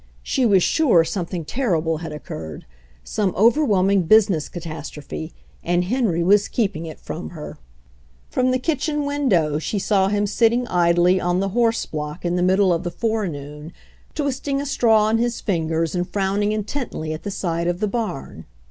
She was sure something terrible had occurred, some overwhelming business catastrophe — and Henry was keeping it from her. From the kitchen window she saw him sitting idly on the horse block in the middle of the fore 57 58 HENRY FORD'S OWN STORY noon, twisting a straw in his fingers and frown ing intently at the side of the barn.